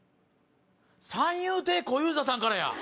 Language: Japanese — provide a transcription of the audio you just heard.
三遊亭小遊三さんからや！